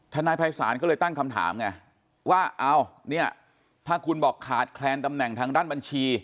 นายภัยศาลก็เลยตั้งคำถามไงว่าเอ้าเนี่ยถ้าคุณบอกขาดแคลนตำแหน่งทางด้านบัญชี